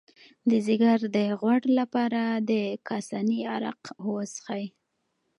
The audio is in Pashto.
د ځیګر د غوړ لپاره د کاسني عرق وڅښئ